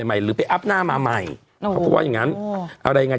ใหม่หรือไปอัพหน้ามาใหม่เขาก็ว่าอย่างงั้นอะไรไง